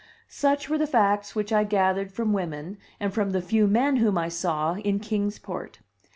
Such were the facts which I gathered from women and from the few men whom I saw in Kings Port.